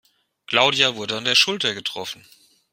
Claudia wurde an der Schulter getroffen.